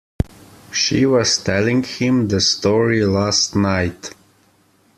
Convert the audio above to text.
She was telling him the story last night.